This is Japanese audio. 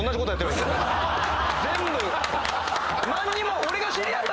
全部。